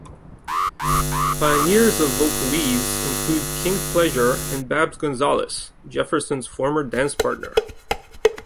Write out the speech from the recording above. Pioneers of vocalese include King Pleasure and Babs Gonzales, Jefferson's former dance partner.